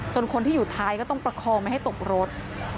คนที่อยู่ท้ายก็ต้องประคองไม่ให้ตกรถ